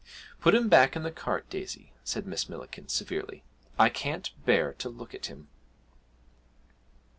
'Put him back in the cart, Daisy,' said Miss Millikin severely; 'I can't bear to look at him.'